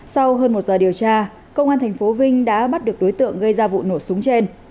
sau hơn một giờ điều tra công an tp vinh đã bắt được đối tượng gây ra vụ nổ súng trên